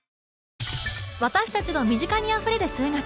私達の身近にあふれる数学